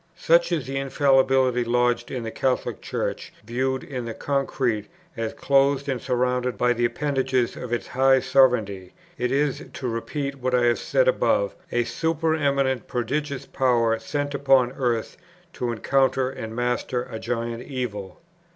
Such is the infallibility lodged in the Catholic Church, viewed in the concrete, as clothed and surrounded by the appendages of its high sovereignty: it is, to repeat what I said above, a supereminent prodigious power sent upon earth to encounter and master a giant evil.